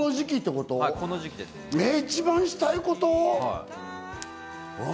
一番したいこと？